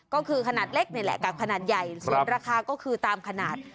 ก็คือขนาดเล็กนี่แหละกับขนาดใหญ่ส่วนราคาก็คือตามขนาด